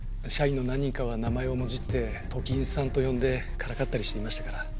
社員の何人かは名前をもじってトキンさんと呼んでからかったりしていましたから。